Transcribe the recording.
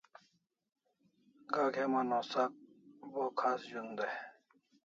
Gak heman o sak bo khas zun day